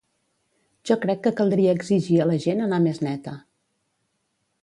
Jo crec que caldria exigir a la gent anar més neta.